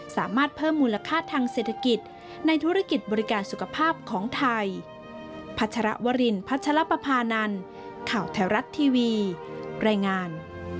สามารถเพิ่มมูลค่าทางเศรษฐกิจในธุรกิจบริการสุขภาพของไทย